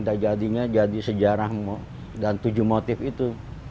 udah jadinya jadi sejarah dan tujuh motif itu